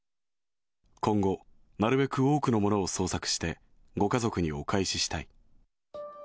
今後、なるべく多くのものを捜索して、ご家族にお返ししたい。